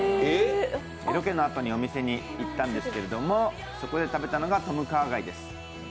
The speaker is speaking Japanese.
ロケのあとにお店に行ったんですけど、そのとき食べたのがトムカーガイです。